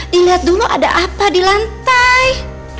dilihat dulu ada apa di lantai